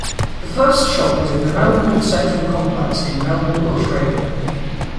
The first shop was in the Melbourne Central complex in Melbourne, Australia.